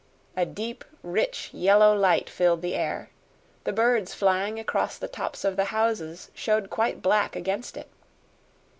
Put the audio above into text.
A deep, rich yellow light filled the air; the birds flying across the tops of the houses showed quite black against it.